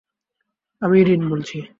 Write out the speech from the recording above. আমি ইরিন বলছি।